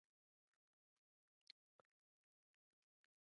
دا تحریک د خپل ژوندي ضمیر د اوره خپل حق تر لاسه کوي